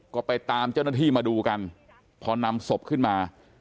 ก็ไปตามเจ้าหน้าที่มาดูกันพอนำศพขึ้นมา